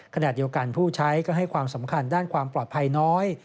ขณะเดียวกันผู้ใช้ก็ให้ความสำคัญด้านความปลอดภัยน้อย